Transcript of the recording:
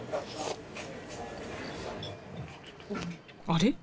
あれ？